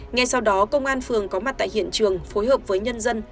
ngay sau đó công an phường có mặt tại hiện trường phối hợp với nhân dân